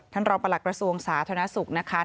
ท่านรองประหลาดกระทรวงศาสนสุขนะคะ